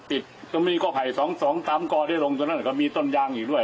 ติดต้องมีก้อไผ่สองสองสามก่อได้ลงตรงนั้นแล้วก็มีต้นยางอีกด้วย